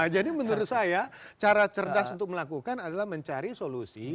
jadi menurut saya cara cerdas untuk melakukan adalah mencari solusi